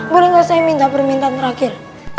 boleh gak saya minta permintaan terakhir